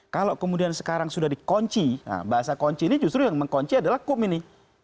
kalau kemudian sekarang sudah dikunci bahasa kunci ini justru yang mengkunci adalah kum ini